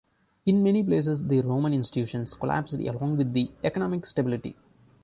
In many places, the Roman institutions collapsed along with the economic stability.